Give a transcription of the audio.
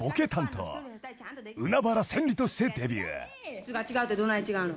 質が違うってどない違うの？